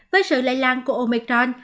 với sự lây lan của omicron